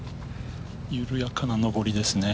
緩やかな上りですね。